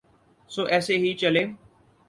سو ایسے ہی چلے۔